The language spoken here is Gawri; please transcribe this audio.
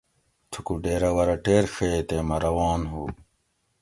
تھُکو ڈیرور اٞ ٹیر ݭیگ تے مٞہ روان ہُو